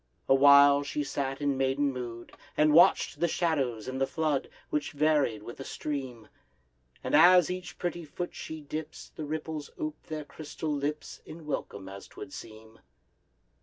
Awhile she sat in maiden mood, And watch'd the shadows in the flood, Which varied with the stream: And as each pretty foot she dips, The ripples ope their crystal lips In welcome, as 'twould seem.